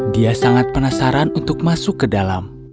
dia sangat penasaran untuk masuk ke dalam